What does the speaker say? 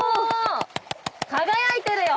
輝いてるよ！